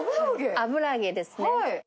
油揚げですね。